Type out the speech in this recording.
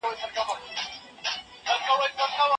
ملتونه کله کله د رمې په شان وي.